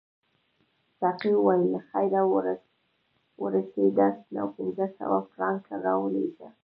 ساقي وویل که له خیره ورسیداست نو پنځه سوه فرانکه راولېږه.